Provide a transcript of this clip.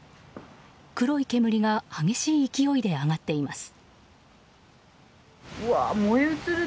黒い煙が激しい勢いで上がっています。